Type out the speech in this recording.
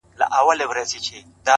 نن ملا په خوله کي بيا ساتلی گاز دی;